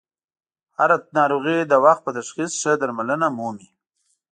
هر ه ناروغي د وخت په تشخیص ښه درملنه مومي.